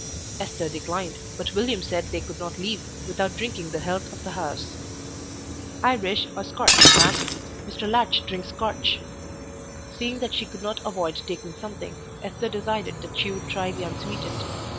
Esther declined, but William said they could not leave without drinking the health of the house. "Irish or Scotch, ma'am? Mr. Latch drinks Scotch." Seeing that she could not avoid taking something, Esther decided that she would try the unsweetened.